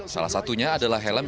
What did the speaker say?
salah satunya adalah helm